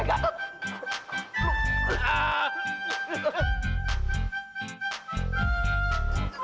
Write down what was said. hai apa sih